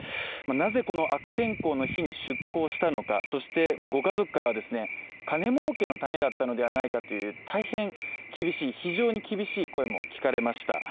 なぜこの悪天候の日に出航したのかそしてご家族からですね、金儲けのためだったのではないかという大変厳しい非常に厳しい声も聞かれました。